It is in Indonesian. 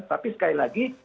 tapi sekali lagi